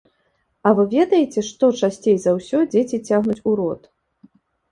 А вы ведаеце, што часцей за ўсё дзеці цягнуць у рот?